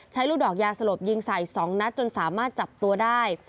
ลูกดอกยาสลบยิงใส่๒นัดจนสามารถจับตัวได้